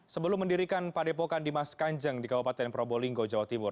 sebelum mendirikan padepokan dimas kanjeng di kabupaten probolinggo jawa timur